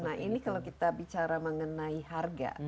nah ini kalau kita bicara mengenai harga